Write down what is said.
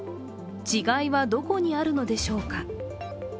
違いはどこにあるのでしょうか。